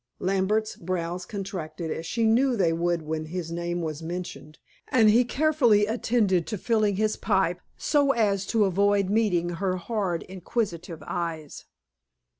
Lambert's brows contracted, as she knew they would when this name was mentioned, and he carefully attended to filling his pipe so as to avoid meeting her hard, inquisitive eyes.